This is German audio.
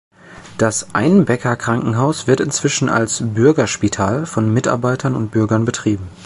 Das Einbecker Krankenhaus wird inzwischen als „Bürgerspital“ von Mitarbeitern und Bürgern betrieben.